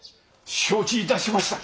承知致しました。